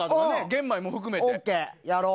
玄米も含めて。